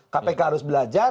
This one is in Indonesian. kpk harus belajar